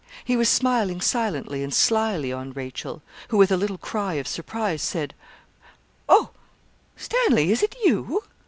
He was smiling silently and slily on Rachel, who, with a little cry of surprise, said 'Oh, Stanley! is it you?'